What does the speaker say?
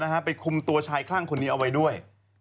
ให้เถี๋ยวนะครับไปคุมตัวชายคลั่งคนนี้เอาไว้ด้วย